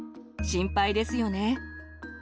心配ですよね。